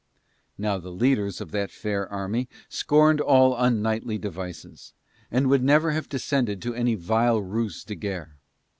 Now the leaders of that fair army scorned all unknightly devices, and would never have descended to any vile ruse de guerre.